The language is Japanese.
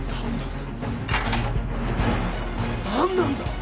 何だ？